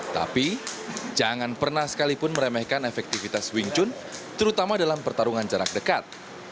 tapi jangan pernah sekalipun meremehkan efektivitas wing chun terutama dalam pertarungan jarak dekat